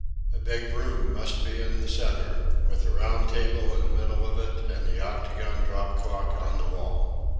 A big room must be in the centre, with a round table in the middle of it and the octagon drop clock on the wall.